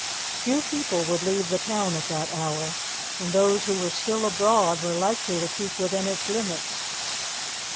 Few people would leave the town at that hour, and those who were still abroad were likely to keep within its limits.